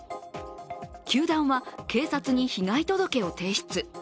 球団は警察に被害届を提出。